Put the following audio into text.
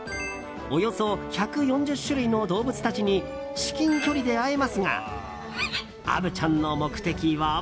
およそ１４０種類の動物たちに至近距離で会えますが虻ちゃんの目的は。